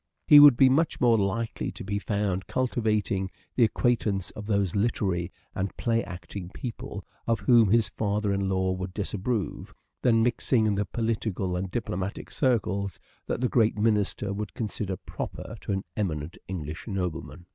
He would be much more likely to be found cultivating the acquaintance of those literary EARLY MANHOOD OF EDWARD DE VERE 271 and play acting people of whom his father in law would disapprove, than mixing in the political and diplomatic circles that the great minister would consider proper to an eminent English nobleman.